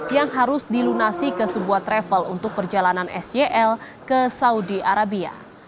yang harus dilunasi ke sebuah travel untuk perjalanan sel ke saudi arabia